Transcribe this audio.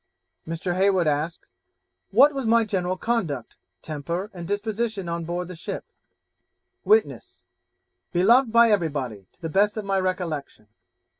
Mr. Heywood asked, 'What was my general conduct, temper, and disposition on board the ship?' Witness 'Beloved by everybody, to the best of my recollection.'